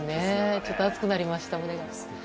ちょっと胸が熱くなりました。